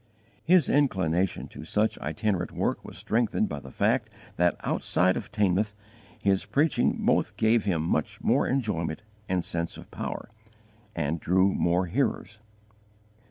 His inclination to such itinerant work was strengthened by the fact that outside of Teignmouth his preaching both gave him much more enjoyment and sense of power, and drew more hearers.